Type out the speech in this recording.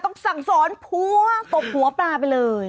ต้องสั่งสอนผัวตบหัวปลาไปเลย